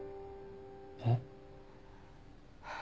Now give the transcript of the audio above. えっ？